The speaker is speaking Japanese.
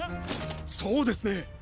そうですね。